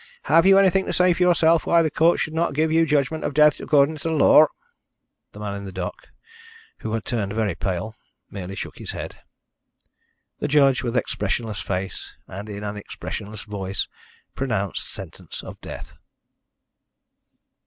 Have you anything to say for yourself why the Court should not give you judgment of death according to law?" The man in the dock, who had turned very pale, merely shook his head. The judge, with expressionless face and in an expressionless voice, pronounced sentence of death.